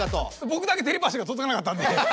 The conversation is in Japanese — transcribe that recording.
ぼくだけテレパシーがとどかなかったんで。